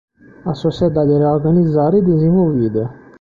A sociedade era organizada e desenvolvida.